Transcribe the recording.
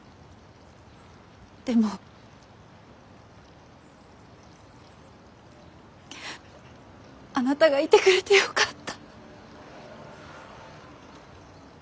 でもあなたがいてくれてよかった。